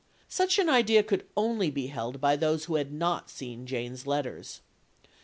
Such an idea could only be held by those who had not seen Jane's letters.